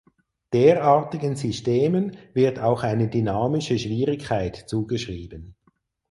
Derartigen Systemen wird auch eine „dynamische Schwierigkeit“ zugeschrieben.